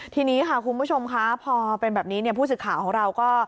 ทีนี้ค่ะคุณผู้ชมค่ะพอเป็นแบบนี้เนี่ยผู้สื่อข่าวของเราก็